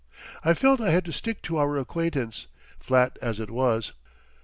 I felt I had to stick to our acquaintance, flat as it was.